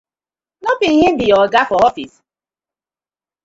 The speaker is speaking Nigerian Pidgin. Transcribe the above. No bi him bi yu oga for office?